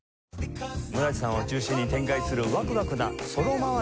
村治さんを中心に展開するワクワクなソロ回し